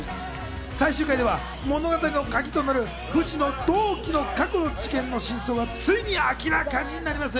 最終回では物語のカギとなる藤の同期の過去の事件の真相がついに明らかになります。